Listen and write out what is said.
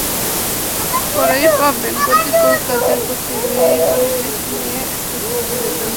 পরেই পাবেন, প্রতিকূল কাজের পরিবেশ নিয়ে একটা প্রতিবেদন।